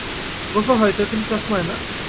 গোঁফে হয়তো, কিন্তু চশমায় না।